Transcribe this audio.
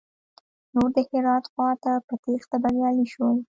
نور د هرات خواته په تېښته بريالي شول.